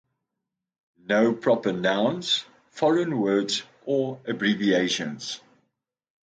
She appeared in sketches, and Lester made occasional jokes about her "hidden talents".